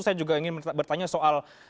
saya juga ingin bertanya soal